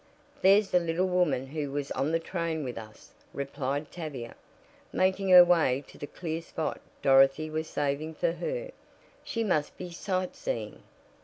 "There's the little woman who was on the train with us," replied Tavia, making her way to the clear spot Dorothy was saving for her. She must be sightseeing."